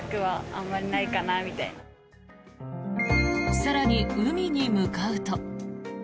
更に、海に向かうと。